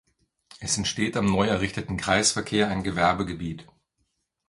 Es entsteht am neu errichteten Kreisverkehr ein Gewerbegebiet.